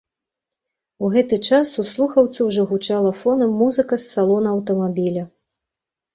У гэты час у слухаўцы ўжо гучала фонам музыка з салона аўтамабіля.